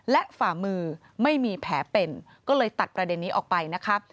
และฝ่ามือไม่มีแผลเป็นก็เลยตัดประเด็นนี้ออกไปนะคะ